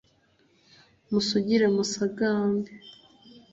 musugire musagambe